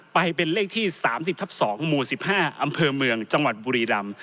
ไปเป็นเลขที่๓๐ทับ๒หมู่๑๕อำเภอเมืองจังหวัดบุรีรำ